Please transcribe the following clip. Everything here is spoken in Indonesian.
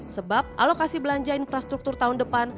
sebab alokasi belanja infrastruktur tahun depan